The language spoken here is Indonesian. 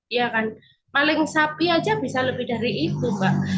iya kan paling sapi aja bisa lebih dari itu mbak